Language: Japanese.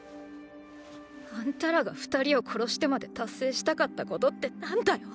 あんたらが二人を殺してまで達成したかったことって何だよ。